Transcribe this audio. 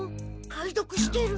解読してる。